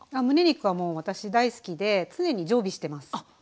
むね肉はもう私大好きで常に常備してます。